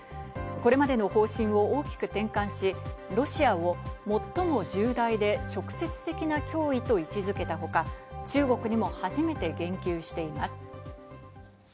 これまでの方針を大きく転換し、ロシアを最も重大で直接的な脅威と位置付けたほか、中国にも初めて言及しています。